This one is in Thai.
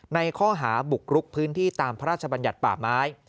ในข้อหาบุกรุกพื้นที่ตามพระราชบัญญัติป่าไม้